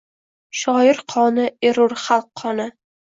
Shoir qoni erur xalq qoni…